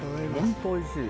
本当おいしい。